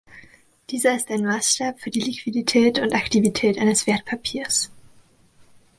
Dieser ist ein Maßstab für die Liquidität und Aktivität eines Wertpapiers.